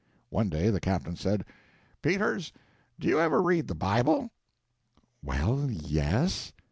One day the captain said, "Peters, do you ever read the Bible?" "Well yes."